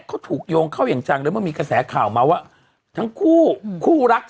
พี่ก็ถูกยงเข้าอย่างจังแล้วมีกระแสข่าวมาว่านางครู้คู่รัก